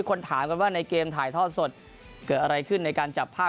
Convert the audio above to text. คนถามกันว่าในเกมถ่ายทอดสดเกิดอะไรขึ้นในการจับภาพ